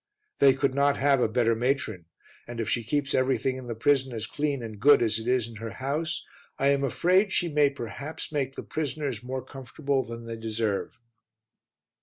They could not have a better matron and if she keeps everything in the prison as clean and good as it is in her house, I am afraid she may perhaps make the prisoners more comfortable than they deserve.